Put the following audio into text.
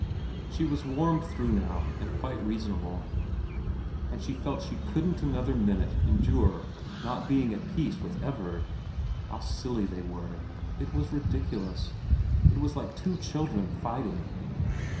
She was wanned through now and quite reasonable, and she felt she couldn't another minute endure not being at peace with Everard. How silly they were. It was ridiculous. It was like two children fighting.